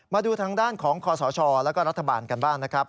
มาดูทางด้านของคอสชและก็รัฐบาลกันบ้าง